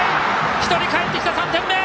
１人かえってきた３点目。